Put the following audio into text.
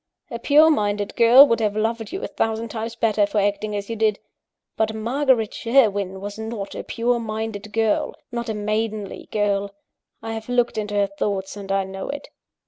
A pure minded girl would have loved you a thousand times better for acting as you did but Margaret Sherwin was not a pure minded girl, not a maidenly girl: I have looked into her thoughts, and I know it.